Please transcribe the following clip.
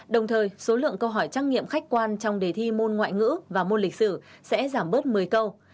đồng thời số lượng câu hỏi trắc nghiệm khách quan trong đề thi môn ngoại ngữ và môn lịch sử sẽ giảm bớt một mươi câu